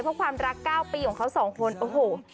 เพราะความรัก๙ปีของเขา๒คนโอ้โห